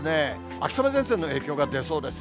秋雨前線の影響が出そうです。